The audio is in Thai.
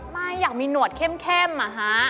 ไม่อยากมีหนวดเข้มอะฮะ